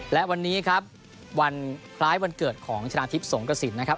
และวันนี้ครับวันคล้ายวันเกิดของชนะทิพย์สงกระสินนะครับ